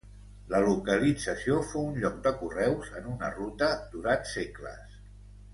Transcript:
La localització fou un lloc de correus en una ruta durant segles.